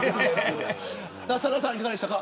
さださん、いかがでしたか。